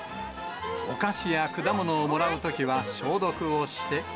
お菓子や果物をもらうときは消毒をして。